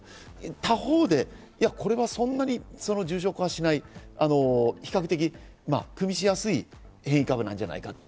他方で、これはそんなに重症化しない、比較的くみしやすい変異株なんじゃないか。